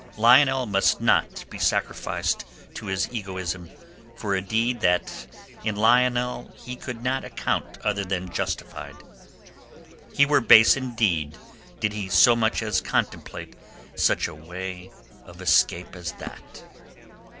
Lionel must not be sacrificed to his egoism for a deed that in Lionel he could not account other than justified. He were base indeed did he so much as contemplate such a way of escape as that.